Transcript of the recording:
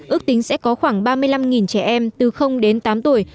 ước tính sẽ có khoảng ba mươi năm trẻ em từ đến tám tuổi